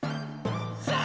さあ